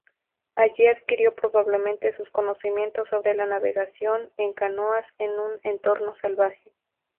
Allí adquirió probablemente sus conocimientos sobre la navegación en canoas en un entorno salvaje.